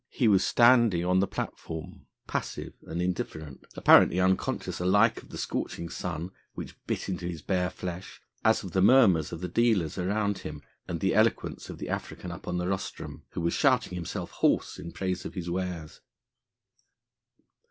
He was standing on the platform, passive and indifferent, apparently unconscious alike of the scorching sun which bit into his bare flesh, as of the murmurs of the dealers round him and the eloquence of the African up on the rostrum, who was shouting himself hoarse in praise of his wares.